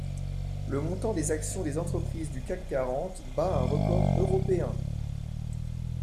Le montant des actions des entreprises du CAC quarante bat un record européen.